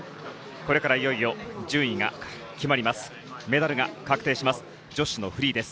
これからいよいよ順位が決まります。